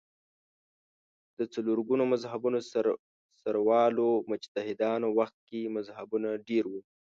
د څلور ګونو مذهبونو سروالو مجتهدانو وخت کې مذهبونه ډېر وو